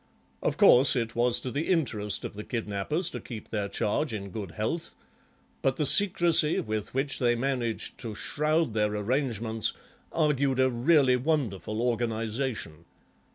Of course it was to the interest of the kidnappers to keep their charge in good health, but the secrecy with which they managed to shroud their arrangements argued a really wonderful organisation.